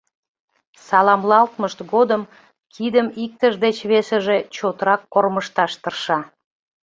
Саламлалтмышт годым кидым иктыж деч весыже чотрак кормыжташ тырша.